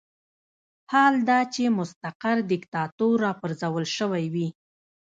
حال دا چې مستقر دیکتاتور راپرځول شوی وي.